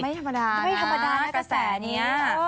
ไม่ธรรมดาไม่ธรรมดานะกระแสนี้